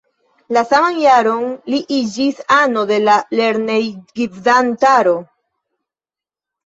La saman jaron li iĝis ano de la lernejgvidantaro.